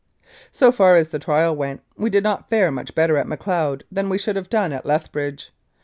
So far as the trial went, we did not fare much better at Macleod than we should have done at Leth bridge.